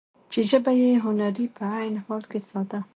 چې ژبه يې هنري په عين حال کې ساده ،